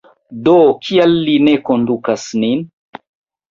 Do kial li ne kondukas nin?